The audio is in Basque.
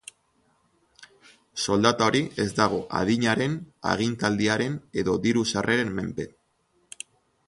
Soldata hori ez dago adinaren, agintaldiaren edo diru-sarreren menpe.